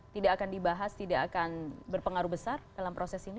tidak akan dibahas tidak akan berpengaruh besar dalam proses ini